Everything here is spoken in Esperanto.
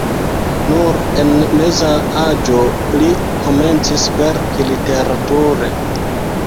Nur en meza aĝo li komencis verki literature.